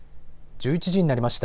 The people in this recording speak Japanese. １１時になりました。